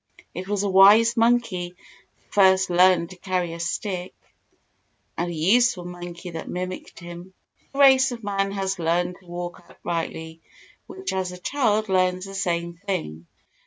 It was a wise monkey that first learned to carry a stick and a useful monkey that mimicked him. For the race of man has learned to walk uprightly much as a child learns the same thing.